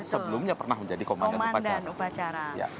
sebelumnya pernah menjadi komandan upacara